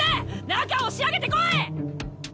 中押し上げてこい！